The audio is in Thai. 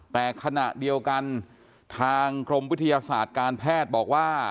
แต่ขณะเดียวกันทางกรมวิทยาศาสตร์การแพทย์บอกว่า